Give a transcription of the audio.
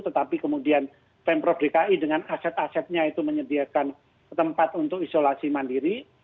tetapi kemudian pemprov dki dengan aset asetnya itu menyediakan tempat untuk isolasi mandiri